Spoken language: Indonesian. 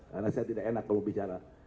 karena saya tidak enak kalau bicara